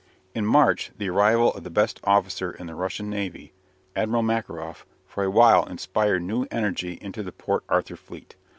In March the arrival of the best officer in the Russian Navy, Admiral Makharoff, for a while inspired new energy into the Port Arthur fleet.